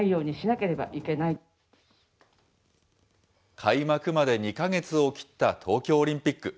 開幕まで２か月を切った東京オリンピック。